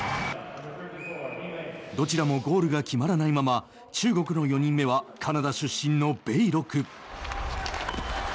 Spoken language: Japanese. どちらもゴールが決まらないまま中国の４人目はカナダ出身の米勒。